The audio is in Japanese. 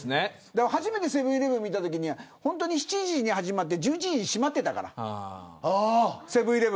初めてセブン−イレブンを見たときに本当に７時に始まって１１時に閉まっていたから。